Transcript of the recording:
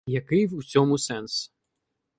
Який у цьому сенс?